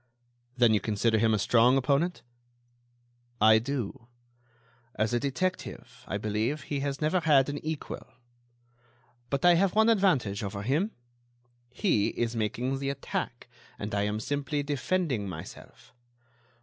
"Then you consider him a strong opponent?" "I do. As a detective, I believe, he has never had an equal. But I have one advantage over him; he is making the attack and I am simply defending myself.